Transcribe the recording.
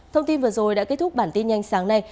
thông tin vừa rồi đã kết thúc bản tin nhanh sáng nay